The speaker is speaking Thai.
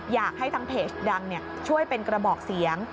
อยากให้ทางเพจดังช่วยเป็นกระบอกเสียง